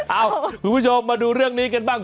คุณผู้ชมมาดูเรื่องนี้กันบ้าง